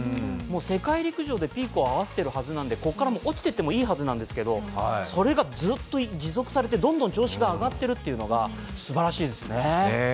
世界陸上でピークを合わせてるはずなんで、もうここから落ちてってもいいはずなんですがそれが持続されてどんどん調子が上がっているというのがすばらしいですね。